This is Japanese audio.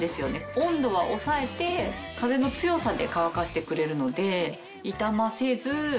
温度は抑えて風の強さで乾かしてくれるので。